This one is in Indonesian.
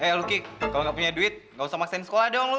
eh lucky kalau gak punya duit gak usah maksain sekolah dong lo